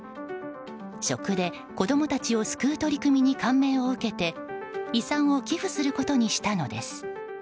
食で子供たちを救う取り組みに感銘を受けて遺産を寄付することにしたのです。